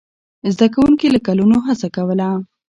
زده کوونکي له کلونو هڅه کوله.